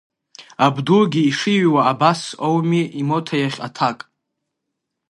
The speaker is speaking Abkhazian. Абдугьы ишиҩуа абасоуми имоҭа иахь аҭак…